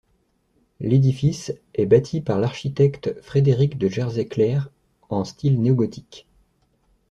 L'édifice est bâti par l'architecte Frederick de Jersey Clere en style néo-gothique.